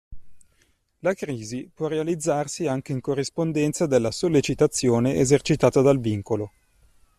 La crisi può realizzarsi anche in corrispondenza della sollecitazione esercitata dal vincolo.